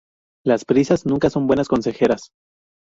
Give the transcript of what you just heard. Las prisas nunca son buenas consejeras